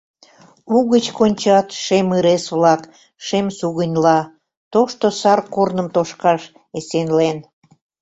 Угыч кончат шем ырес-влак шем сугыньла, тошто сар корным тошкаш эсенлен!